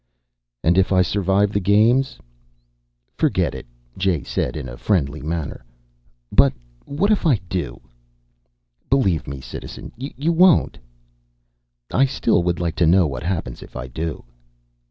"And if I survive the Games?" "Forget it," Jay said in a friendly manner. "But what if I do?" "Believe me, Citizen, you won't." "I still would like to know what happens if I do."